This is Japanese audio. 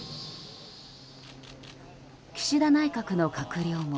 岸田内閣の閣僚も。